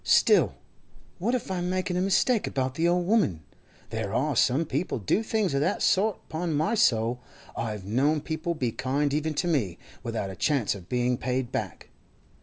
Still—what if I'm making a mistake about the old woman? There are some people do things of that sort; upon my soul, I've known people be kind even to me, without a chance of being paid back!